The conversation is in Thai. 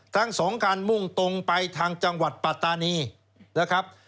ทั้งสองการมุ่งตรงไปทางจังหวัดปัตตานีนะครับ